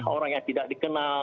orang yang tidak dikenal